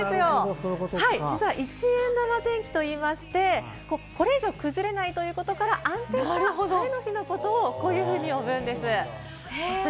実は１円玉天気と言いまして、これ以上崩れないということから、安定した晴れの日のことをこういうふうに呼ぶんです。